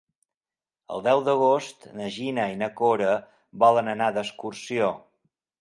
El deu d'agost na Gina i na Cora volen anar d'excursió.